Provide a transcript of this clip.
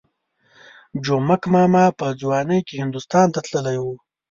جومک ماما په ځوانۍ کې هندوستان ته تللی وو.